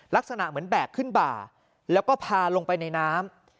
ลักษณะเหมือนแบกขึ้นบ่าแล้วก็พาลงไปในน้ำ